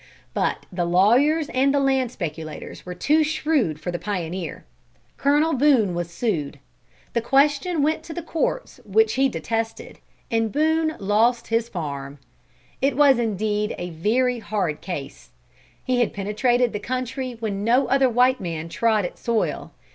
But the lawyers and the land speculators were too shrewd for the pioneer. Colonel Boone was sued; the question went to the courts which he detested, and Boone lost his farm. It was indeed a very hard case. He had penetrated the country when no other white man trod its soil.